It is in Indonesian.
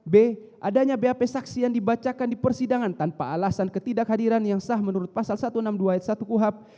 b adanya bap saksi yang dibacakan di persidangan tanpa alasan ketidakhadiran yang sah menurut pasal satu ratus enam puluh dua ayat satu kuhap